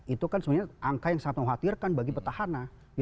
itu kan sebenarnya angka yang sangat mengkhawatirkan bagi petahana